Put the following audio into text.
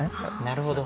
なるほど。